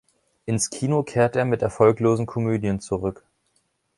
Ins Kino kehrt er mit erfolglosen Komödien zurück.